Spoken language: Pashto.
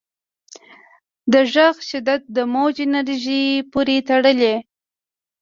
د غږ شدت د موج انرژۍ پورې تړلی.